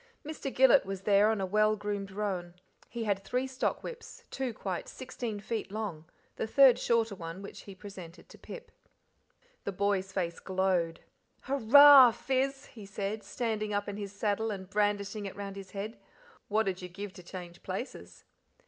Mr. Gillet was there on a well groomed roan; he had three stock whips, two quite sixteen feet long, the third shorter one, which he presented to Pip. The boy's face glowed. "Hurrah, Fizz!" he said; standing up in his saddle and brandishing it round his head. "What 'ud you give to change places?"